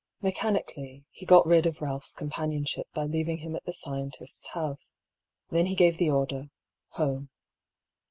Mechanically, he got rid of Ralph's companionship by leaving him at the scientist's hoose. Then he gave the order " Home."